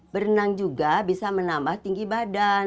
berenang juga bisa menambah tinggi badan